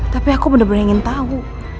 tapi aku bener bener ingin tau